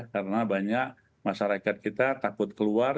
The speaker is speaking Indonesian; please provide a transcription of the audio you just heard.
karena banyak masyarakat kita takut keluar